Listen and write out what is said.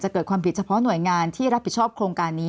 เกิดความผิดเฉพาะหน่วยงานที่รับผิดชอบโครงการนี้